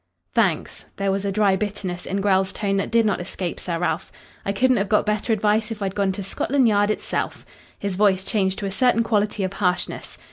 "Thanks." There was a dry bitterness in Grell's tone that did not escape Sir Ralph. "I couldn't have got better advice if I'd gone to Scotland Yard itself." His voice changed to a certain quality of harshness.